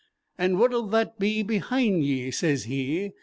'And what'll that be behind ye?' sez he.